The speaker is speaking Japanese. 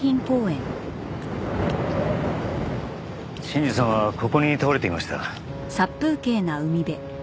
信二さんはここに倒れていました。